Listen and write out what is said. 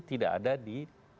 tidak ada di dua ribu sembilan belas